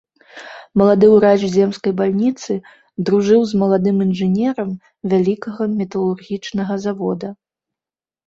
Малады ўрач земскай бальніцы дружыў з маладым інжынерам вялікага металургічнага завода.